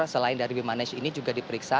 selain dari bimanesh ini juga diperiksa